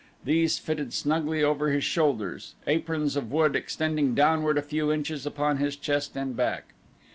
These fitted snugly over his shoulders, aprons of wood extending downward a few inches upon his chest and back.